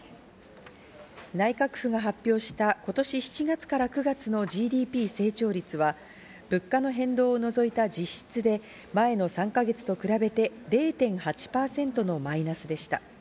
内閣府が発表した今年７月から９月のＧＤＰ成長率は物価の変動を除いた実質で前の３か月と比べて０．８％のマイナスでした。